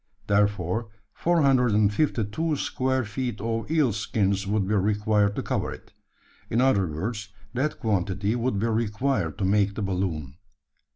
Therefore 452 square feet of eel skins would be required to cover it. In other words, that quantity would be required to make the balloon.